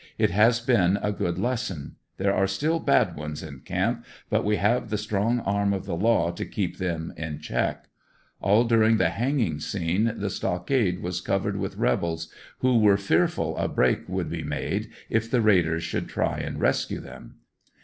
It has been a good lesson ; there are still bad ones in camp but we have the strong arm of the law to keep them in check. All during the hanging scene the stockade was covered 84 ANDERSONVILLE DIARY. with rebels, who were fearful a break would be made if the raid ers should try and rescue them.